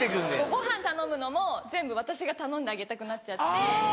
ごはん頼むのも全部私が頼んであげたくなっちゃって。